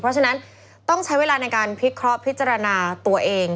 เพราะฉะนั้นต้องใช้เวลาในการพิเคราะห์พิจารณาตัวเอง